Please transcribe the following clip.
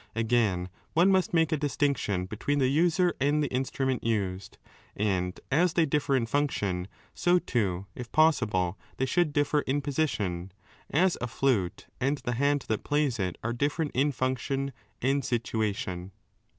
Again, one 2 must make a distinction between the user and the instru ment used (and as they differ in function, so too, if possible, they should differ in position), as a flute and the hand that plays it are different in function and situation.